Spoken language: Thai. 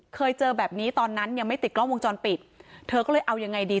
เคยเจอแบบนี้ตอนนั้นยังไม่ติดกล้องวงจรปิดเธอก็เลยเอายังไงดี